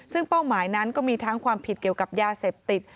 ซึ่งเป้าหมายนั้นก็มีทั้งความผิดเกี่ยวกับยาเสพติด